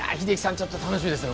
ちょっと楽しみですね